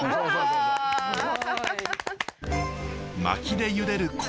まきでゆでる